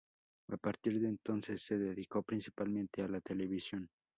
A partir de entonces se dedicó principalmente a la televisión.